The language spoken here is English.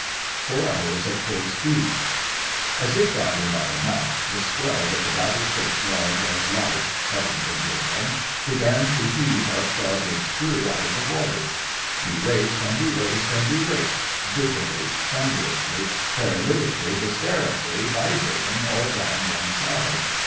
FOUR HOURS AT FULL SPEED As if that were not enough, the swell that the battleships logged as light (Heaven forgive them!) began to heave our starboard screw out of the water. We raced and we raced and we raced, dizzily, thunderously, paralytically, hysterically, vibrating all down one side.